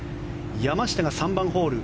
山下が３番ホール。